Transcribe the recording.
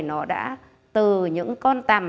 nó đã từ những con tầm